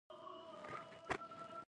چې ځان وویني په ما کې ورک سړیه راشه، راشه